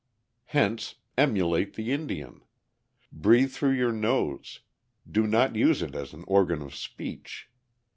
Hence, emulate the Indian. Breathe through your nose; do not use it as an organ of speech.